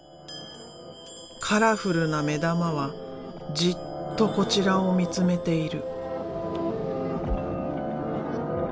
カラフルな目玉はじっとこちらを見つめている。